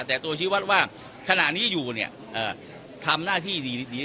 แต่ตัวชี้วัดว่าขณะนี้อยู่เนี่ยทำหน้าที่ดี